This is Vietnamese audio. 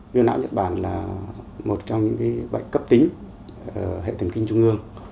viêm não nhật bản là một trong những bệnh cấp tính hệ thần kinh trung ương